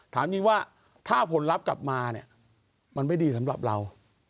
ถามจริงว่าถ้าผลลัพธ์กลับมาเนี่ยมันไม่ดีสำหรับเรา